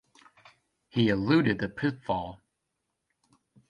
He eluded the pitfall.